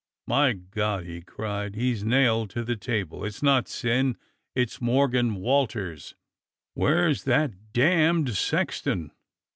"My God!" he cried. "He's nailed to the table. It's not Syn! It's Morgan Walters. Wliere's that damned sexton.'